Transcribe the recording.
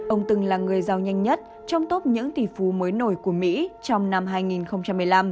ông từng là người giao nhanh nhất trong top những tỷ phú mới nổi của mỹ trong năm hai nghìn một mươi năm